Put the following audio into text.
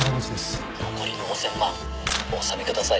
残りの ５，０００ 万お納めください